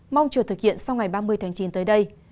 mong chờ thực hiện sau ngày ba mươi tháng chín tới đây